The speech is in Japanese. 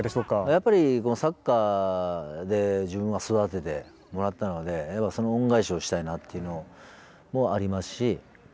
やっぱりサッカーで自分は育ててもらったのでその恩返しをしたいなっていうのもありますし